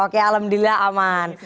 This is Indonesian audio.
oke alhamdulillah aman